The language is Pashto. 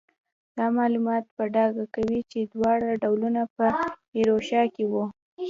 دا معلومات په ډاګه کوي چې دواړه ډولونه په ایروشیا کې وو.